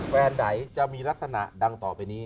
ไหนจะมีลักษณะดังต่อไปนี้